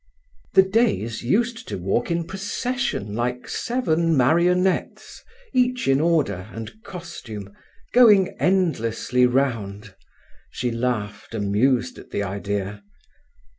"The days used to walk in procession like seven marionettes, each in order and costume, going endlessly round." She laughed, amused at the idea.